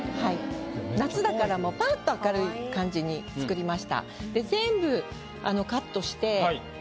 夏だからもうぱっと明るい感じに作りました。